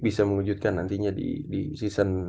bisa mewujudkan nantinya di season